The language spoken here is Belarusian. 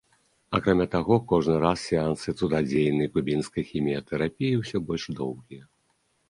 Акрамя таго, кожны раз сеансы цудадзейнай кубінскай хіміятэрапіі ўсё больш доўгія.